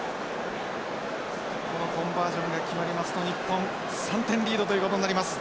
このコンバージョンが決まりますと日本３点リードということになります。